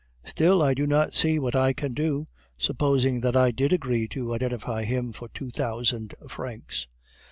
"Still, I do not see what I can do, supposing that I did agree to identify him for two thousand francs."